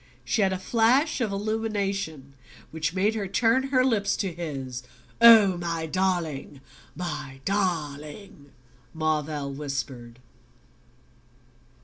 She had a flash of illumination which made her turn her lips to his. "Oh, my darling my darling!" Marvell whispered.